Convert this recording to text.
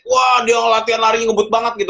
wah dia ngelatiin larinya ngebut banget gitu